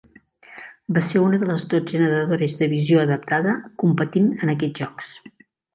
Va ser una de les dotze nedadores de visió adaptada competint en aquests Jocs.